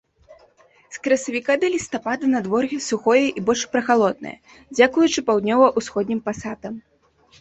З красавіка да лістапада надвор'е сухое і больш прахалоднае, дзякуючы паўднёва-ўсходнім пасатам.